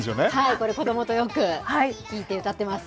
これ、子どもとよく聞いて歌ってます。